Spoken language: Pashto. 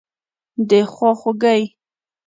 دخوا خوګۍ